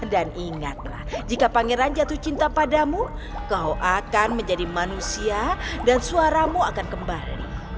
dan ingatlah jika pangeran jatuh cinta padamu kau akan menjadi manusia dan suaramu akan kembali